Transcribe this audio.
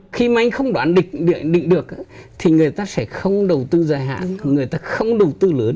khi mà anh không đoán định được thì người ta sẽ không đầu tư dài hạn người ta không đầu tư lớn